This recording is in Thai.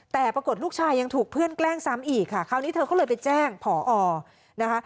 แต่ปรากฏลูกชายยังถูกเพื่อนแกล้งซ้ำอีกค่ะคราวนี้เธอก็เลยไปแจ้งผอนะคะ